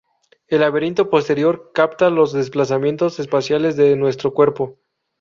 El laberinto posterior capta los desplazamientos espaciales de nuestro cuerpo.